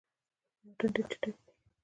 د پکتیا اتن ډیر چټک وي.